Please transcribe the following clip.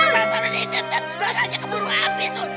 darahnya keburu abis loh